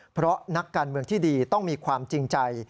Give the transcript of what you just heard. เพราะนักการเมืองที่ดีต้องมีความจริงใจ